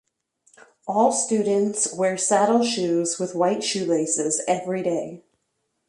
All students wear saddle shoes with white shoelaces every day.